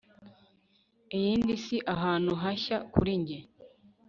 Iyindi si ahantu hashya kuri njye